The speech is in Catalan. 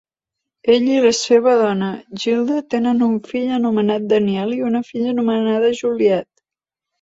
Ell i la seva dona Gilda tenen un fill anomenat Daniel i una filla anomenada Juliet.